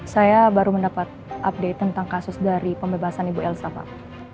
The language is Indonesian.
saya baru mendapat update tentang kasus dari pembebasan ibu elsa pak